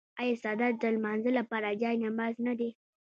آیا څادر د لمانځه لپاره جای نماز نه دی؟